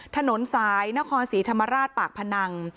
ถนนสายนครศรีธรรมราชปากพนัง